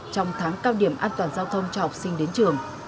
trong tháng cao điểm an toàn giao thông cho học sinh đến trường